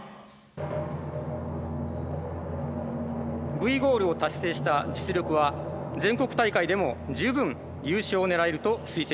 Ｖゴールを達成した実力は全国大会でも十分優勝を狙えると推薦しました。